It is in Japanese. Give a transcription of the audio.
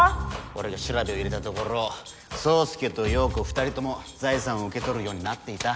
俺が調べを入れたところ宗介と葉子２人とも財産を受け取るようになっていた。